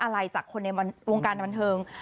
คุณพิมพาพรจากคนในวงการบันเทิง